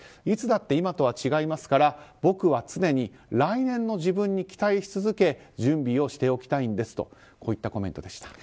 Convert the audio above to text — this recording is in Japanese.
いつだって今とは違いますから僕は常に来年の自分に期待し続け準備をしておきたいんですというコメントです。